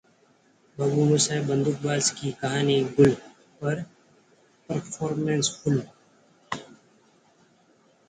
Movie Review: बाबूमोशाय बंदूकबाज की कहानी गुल, पर परफॉर्मेंस फुल